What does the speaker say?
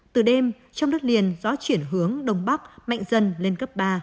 từ đêm trong đất liền gió chuyển hướng đông bắc mạnh dần lên cấp ba